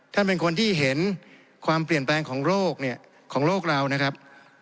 ท่านเป็นคนที่เห็นความเปลี่ยนแปลงของโรคเนี่ยของโลกเรานะครับ